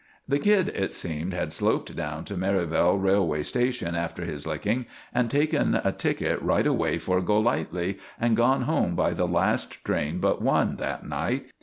The kid, it seemed, had sloped down to Merivale railway station after his licking, and taken a ticket right away for Golightly, and gone home by the last train but one that night.